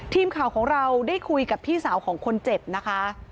ทีมข่าวของเราได้คุยกับพี่สาวของคนเจ็บนะคะ